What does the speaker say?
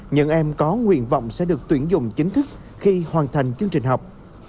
những em có nguyện vọng sẽ được tuyển dụng chính thức khi hoàn thành chương trình học